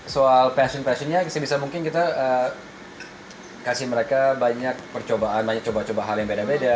soal passion passionnya sebisa mungkin kita kasih mereka banyak percobaan banyak coba coba hal yang beda beda